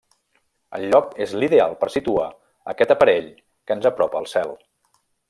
El lloc és l'ideal per situar aquest aparell que ens apropa al cel.